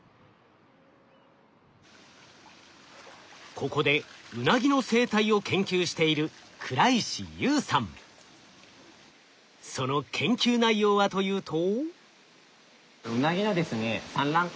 ここでウナギの生態を研究しているその研究内容はというと。